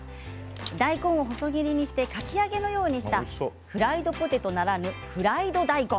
大根を細切りにしてかき揚げのようにしたフライドポテトならぬフライド大根。